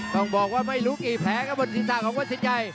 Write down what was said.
ต้องบอกว่าไม่รู้กี่แผลครับบนศีรษะของวัดสินชัย